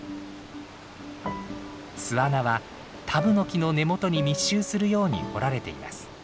巣穴はタブノキの根元に密集するように掘られています。